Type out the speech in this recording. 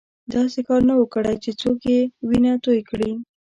داسې کار نه وو کړی چې څوک یې وینه توی کړي.